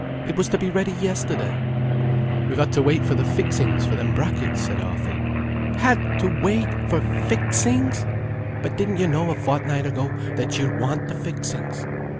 It was to be ready yesterday." "We've had to wait for the fixings for them brackets," said Arthur. "Had to wait for fixings! But didn't you know a fortnight ago that you'd want the fixings?"